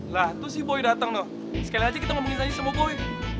lha terus si boy dateng loh sekali aja kita ngomongin saja sama boy